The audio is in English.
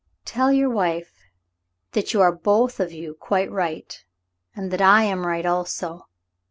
"Tell your wife that you are both of you quite right, and that I am right also.